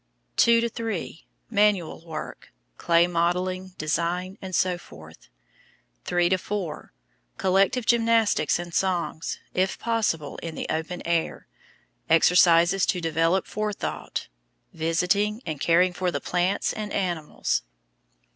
2 3. Manual work. Clay modelling, design, etc. 3 4. Collective gymnastics and songs, if possible in the open air. Exercises to develop forethought: Visiting, and caring for, the plants and animals.